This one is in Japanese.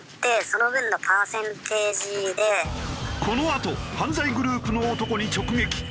このあと犯罪グループの男に直撃！